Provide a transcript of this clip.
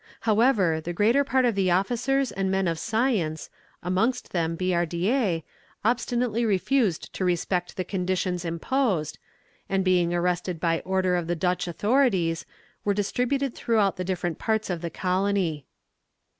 However, the greater part of the officers and men of science, amongst them Billardière, obstinately refused to respect the conditions imposed; and being arrested by order of the Dutch authorities, were distributed throughout the different ports of the colony.